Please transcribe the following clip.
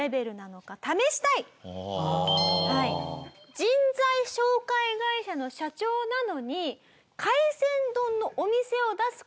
人材紹介会社の社長なのに海鮮丼のお店を出す事を決意されます。